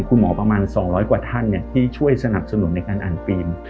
คุณหมอประมาณ๒๐๐กว่าท่านที่ช่วยสนับสนุนในการอ่านฟิล์ม